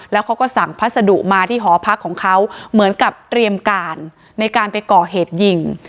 แล้วเขาก็สั่งพัสดุมาที่หอพักของเขาเหมือนกับเตรียมการในการไปก่อเหตุยิง